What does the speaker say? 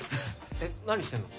えっ何してんの？